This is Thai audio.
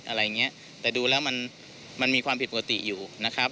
อะไรอย่างเงี้ยแต่ดูแล้วมันมันมีความผิดปกติอยู่นะครับ